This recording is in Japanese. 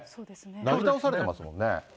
なぎ倒されてますもんね。